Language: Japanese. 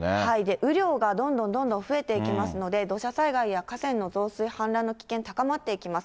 雨量がどんどんどんどん増えていきますので、土砂災害や河川の増水、氾濫の危険高まっていきます。